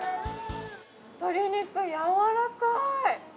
鶏肉、やわらかい！